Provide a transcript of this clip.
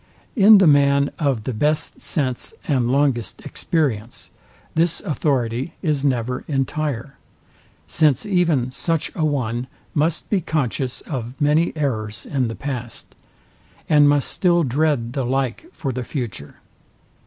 In the man of the best sense and longest experience, this authority is never entire; since even such a one must be conscious of many errors in the past, and must still dread the like for the future.